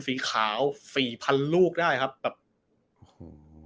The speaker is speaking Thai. สีขาวสี่พันลูกได้ครับแบบโอ้โห